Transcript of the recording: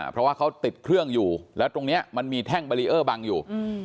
เพราะว่าเขาติดเครื่องอยู่แล้วตรงนี้มันมีแท่งบารีเออร์บังอยู่